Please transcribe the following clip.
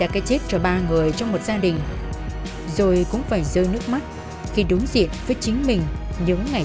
kẻ phạm tội tài đình này